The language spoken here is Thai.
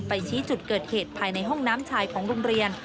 ชี้จุดเกิดเหตุภายในห้องน้ำชายของโรงเรียน